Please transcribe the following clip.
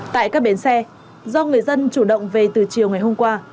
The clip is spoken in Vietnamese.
tại các bến xe do người dân chủ động về từ chiều ngày hôm qua